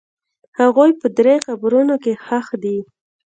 هغوی په درې قبرونو کې ښخ دي.